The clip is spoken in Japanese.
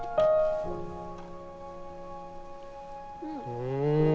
うん。